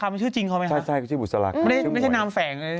เมื่อกี้คือล็อกกุญแจไว้อย่างไร